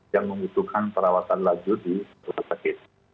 yang membutuhkan perawatan lanjut di rumah sakit